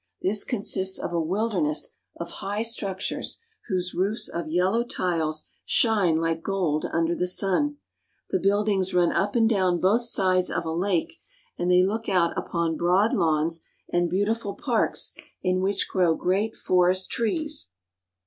This consists of a wilderness of high structures whose roofs of yellow tiles shine like gold under the sun. The build ings run up and down both sides of a lake and they look out upon broad lawns and beautiful parks in which grow great forest trees.